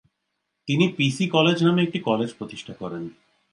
তিনি PC college নামে একটি কলেজ প্রতিষ্ঠা করেন।